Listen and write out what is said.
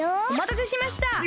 おまたせしました！